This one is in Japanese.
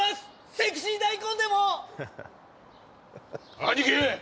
セクシー大根でも兄貴